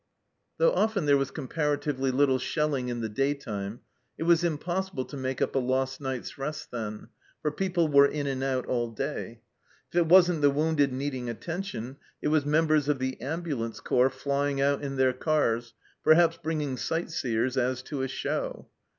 Though often there was comparatively little shelling in the daytime, it was impossible to make up a lost night's rest then, for people were in and out all day ; if it wasn't the wounded needing attention, it was members of the ambulance corps flying out in their cars, perhaps bringing sight seers as to a show.